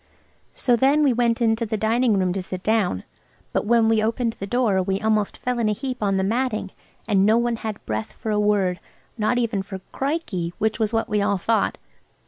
So then we went into the dining room to sit down. But when we opened the door we almost fell in a heap on the matting, and no one had breath for a word–not even for "Krikey," which was what we all thought.